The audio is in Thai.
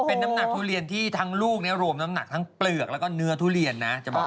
เป็นน้ำหนักทุเรียนที่ทั้งลูกเนี่ยรวมน้ำหนักทั้งเปลือกแล้วก็เนื้อทุเรียนนะจะบอก